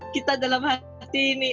kita dalam hati ini